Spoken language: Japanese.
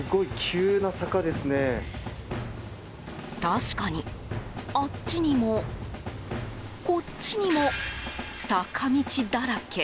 確かに、あっちにもこっちにも坂道だらけ。